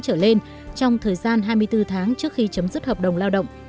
trở lên trong thời gian hai mươi bốn tháng trước khi chấm dứt hợp đồng lao động